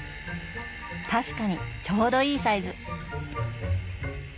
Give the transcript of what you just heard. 確かにちょうどいいサイズ！